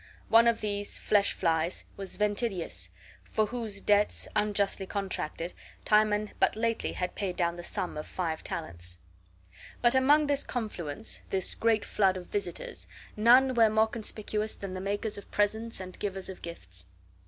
One of these flesh flies was Ventidius, for whose debts, unjustly contracted, Timon but lately had paid down the sum of five talents. But among this confluence, this great flood of visitors, none were more conspicuous than the makers of presents and givers of gifts.